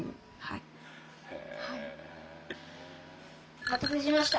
お待たせしました。